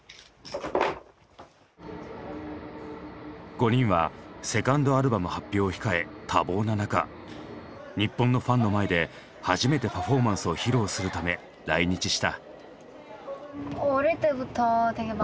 ５人はセカンドアルバム発表を控え多忙な中日本のファンの前で初めてパフォーマンスを披露するため来日した。